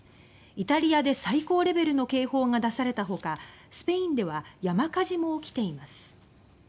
イタリアで最高レベルの警報が出されたほかスペインでは山火事も起きています。